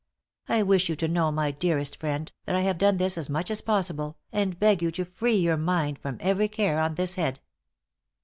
I wish you to know, my dearest friend, that I have done this as much as possible, and beg you to free your mind from every care on this head."